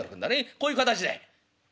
こういう形だい」。